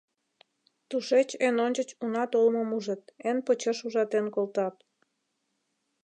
Тушеч эн ончыч уна толмым ужыт, эн почеш ужатен колтат.